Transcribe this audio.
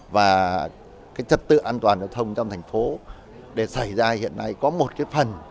và cái trật tự an toàn giao thông trong thành phố để xảy ra hiện nay có một cái phần